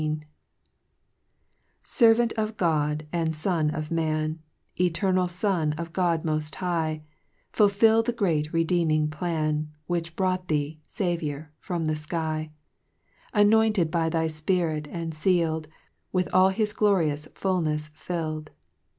1 QERVANT of God, and Son of Man, © Eternal Son of God Mofi High ; Fulfil the great redeeming plan, Which brought thee, Saviour, from the iky, Anointed by thy Spirit and feal'd, With all his glorious fulnefs fill'd.